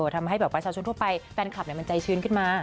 ทำให้ประชาชนทั่วไปแฟนคลับมันใจชื้นขึ้นมา